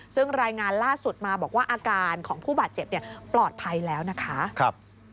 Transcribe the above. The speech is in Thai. ซึ่งรายงานล่าสุดมาบอกว่าอาการของผู้บาดเจ็บปลอดภัยแล้วนะคะ